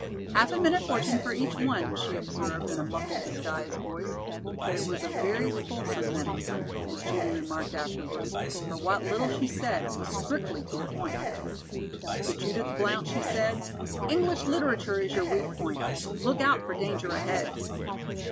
"Half a minute fortune for each one," she observed in a muffled, disguised voice, but it was a very fulsome minute, as Judy remarked afterward, for what little she said was strictly to the point. To Judith Blount she said: "English literature is your weak point. Look out for danger ahead."